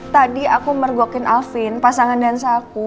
tadi aku mergokin alvin pasangan dansaku